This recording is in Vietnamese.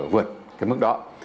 vượt cái mức đó